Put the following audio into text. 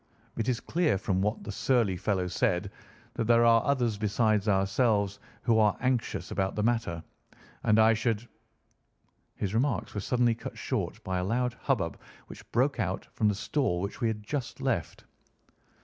It is clear from what that surly fellow said that there are others besides ourselves who are anxious about the matter, and I should—" His remarks were suddenly cut short by a loud hubbub which broke out from the stall which we had just left.